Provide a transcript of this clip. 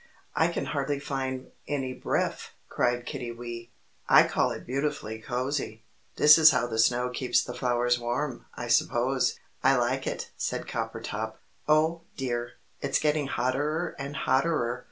I can hardly find any breff," cried Kiddiwee. "I call it beautifully cosy. This is how the snow keeps the flowers warm, I suppose. I like it," said Coppertop. "Oh, dear! It's getting hotterer and hotterer!"